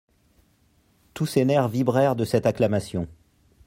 Tous ses nerfs vibrèrent de cette acclamation.